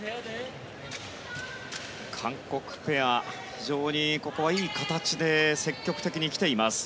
韓国ペア、非常にここは、いい形で積極的に来ています。